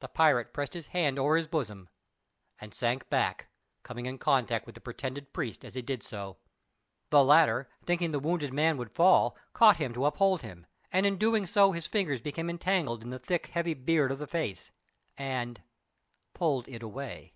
The pirate pressed his hand over his bosom and sank back, coming in contact with the pretended priest as he did so. The latter, thinking the wounded man would fall, caught him to uphold him, and in doing so his fingers became entangled in the thick, heavy beard of the face, and pulled it away.